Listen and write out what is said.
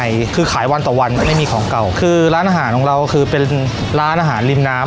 ใช่คือขายวันต่อวันไม่มีของเก่าคือร้านอาหารของเราคือเป็นร้านอาหารริมน้ำ